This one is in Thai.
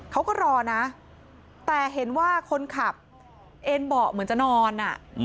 เขาก็รอนะแต่เห็นว่าคนขับเอ็นเบาะเหมือนจะนอน